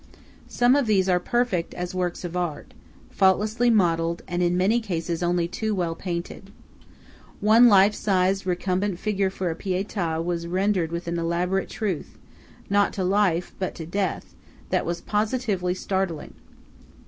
Some of these are perfect as works of art, faultlessly modelled, and in many instances only too well painted. One life size recumbent Figure for a Pieta was rendered with an elaborate truth, not to life, but to death, that was positively startling.